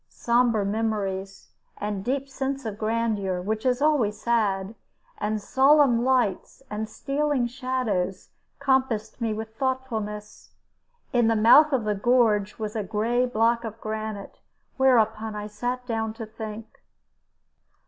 Sombre memories, and deep sense of grandeur, which is always sad, and solemn lights, and stealing shadows, compassed me with thoughtfulness. In the mouth of the gorge was a gray block of granite, whereupon I sat down to think.